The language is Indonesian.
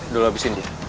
udah lo abisin dia